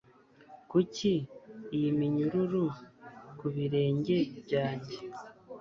kuki iyi minyururu ku birenge byanjye